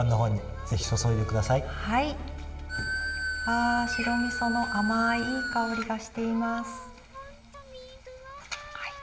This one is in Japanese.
あ白みその甘いいい香りがしています。